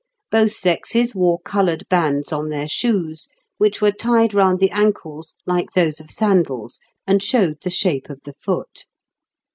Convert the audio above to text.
Both sexes wore coloured bands on their shoes, which were tied round the ankles like those of sandals, and showed the shape of the foot.